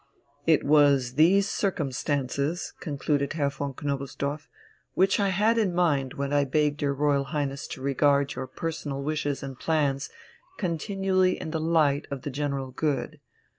"It was these circumstances," concluded Herr von Knobelsdorff, "which I had in mind when I begged your Royal Highness to regard your personal wishes and plans continually in the light of the general good.